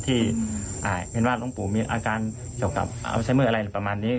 ที่เห็นว่าหลวงปู่มีอาการเกี่ยวกับอัลไซเมอร์อะไรประมาณนี้